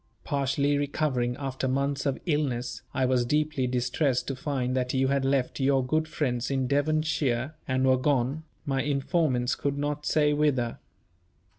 Partially recovering, after months of illness, I was deeply distressed to find that you had left your good friends in Devonshire, and were gone, my informants could not say whither.